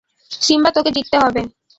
Simba, তোকে জিততে হবে!